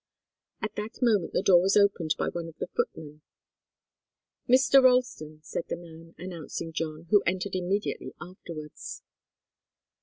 At that moment the door was opened by one of the footmen. "Mr. Ralston," said the man, announcing John, who entered immediately afterwards.